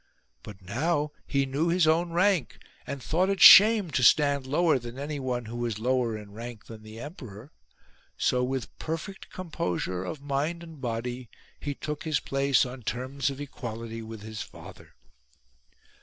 But now he knew his own rank ; and thought it shame to stand lower than any one who was lower in rank than the emperor ; so with perfect composure of mind and body he took his place on terms of equality with his father.